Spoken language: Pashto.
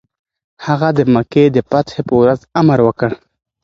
هغه د مکې د فتحې پر ورځ امر وکړ.